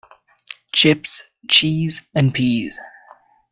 Chips, cheese and peas.